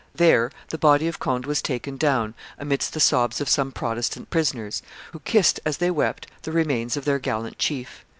There the body of Conde was taken down amidst the sobs of some Protestant prisoners, who kissed, as they wept, the remains of their gallant chief.